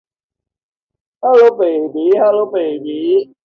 Burgoyne was also named in the Indigenous Team of the Century.